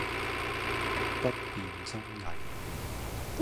不辨真偽